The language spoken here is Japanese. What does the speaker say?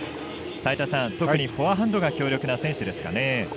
齋田さん、特にフォアハンドが強い選手ですね。